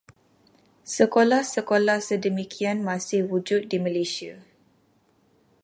Sekolah-sekolah sedemikian masih wujud di Malaysia.